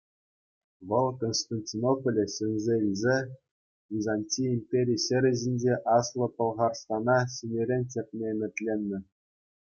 Вӑл, Константинополе ҫӗнсе илсе, Византи импери ҫӗрӗ ҫинче Аслӑ Пӑлхарстана ҫӗнӗрен чӗртме ӗмӗтленнӗ.